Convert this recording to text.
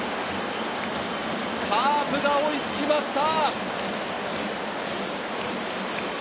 カープが追いつきました！